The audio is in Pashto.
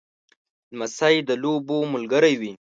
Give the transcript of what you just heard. لمسی د لوبو ملګری وي.